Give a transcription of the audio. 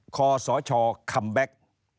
ขอสชคัมแบ็ค